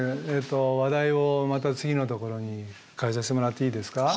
話題をまた次のところに変えさせてもらっていいですか？